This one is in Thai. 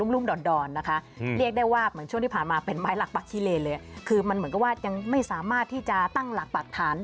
ราศรีสิงฟ์จ้ะ